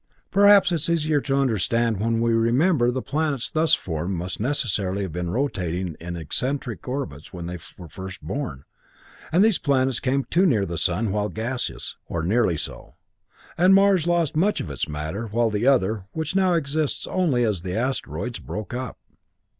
Perhaps it is easier to understand when we remember that the planets thus formed must necessarily have been rotating in eccentric orbits when they were first born, and these planets came too near the sun while gaseous, or nearly so, and Mars lost much of its matter, while the other, which now exists only as the asteroids, broke up.